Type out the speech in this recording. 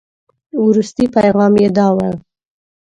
وروستي پيغام یې داو.